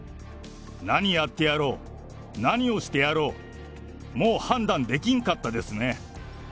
何やってやろう、何をしてやろう、もう判断できんかったですね。